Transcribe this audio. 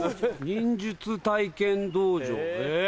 忍術体験道場え？